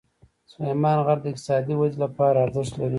سلیمان غر د اقتصادي ودې لپاره ارزښت لري.